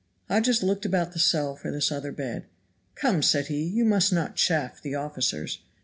Hodges looked about the cell for this other bed. "Come," said he, "you must not chaff the officers.